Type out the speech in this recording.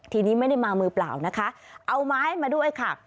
ทีนี้ไม่ได้มามือเปล่านะคะเอาไม้มาด้วยค่ะ